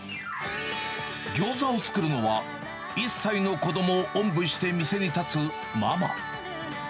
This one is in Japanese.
ギョーザを作るのは、１歳の子どもをおんぶして店に立つママ。